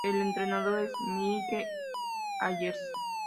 El entrenador es Mike Ayers.